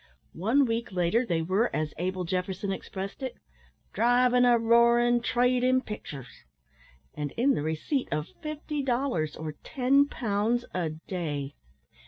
One week later, they were, as Abel Jefferson expressed it, "driving a roaring trade in pictur's," and in the receipt of fifty dollars, or 10 pounds a day!